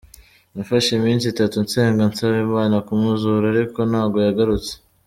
Nafashe iminsi itatu nsenga nsaba Imana kumuzura ariko ntabwo yagarutse.